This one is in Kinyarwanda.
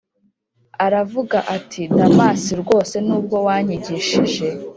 aravuga ati: damas, rwose nubwo wanyigishije